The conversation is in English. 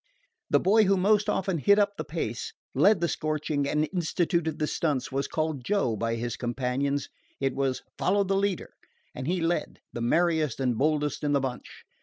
The boy who more often hit up the pace, led the scorching, and instituted the stunts was called Joe by his companions. It was "follow the leader," and he led, the merriest and boldest in the bunch.